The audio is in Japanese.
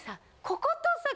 こことさ